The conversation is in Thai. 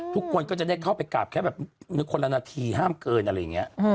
ทุกคนก็จะได้เข้าไปกราบแค่แบบคนละนาทีห้ามเกินอะไรอย่างนี้